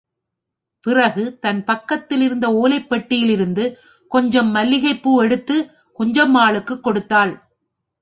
பிறகு தன் பக்கத்திலிருந்த ஓலைப் பெட்டியிலிருந்து கொஞ்சம் மல்லிகைப்பூ எடுத்துக் குஞ்சம்மாளுக்குக் கொடுத்தாள்.